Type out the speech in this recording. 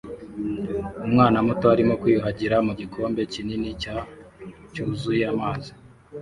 Umwana muto arimo kwiyuhagira mu gikombe kinini cya cyuzuye amazi